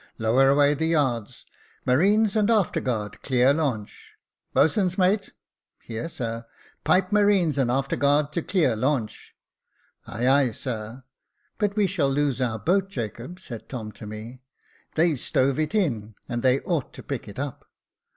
Lower away the yards. Marines and after guard, clear launch. Boatswain's mate." " Here, sir." "Pipe marine, and after guard to clear launch." " Aye, aye, sir." " But we shall lose our boat, Jacob," said Tom to me. " They stove it in, and they ought to pick it up."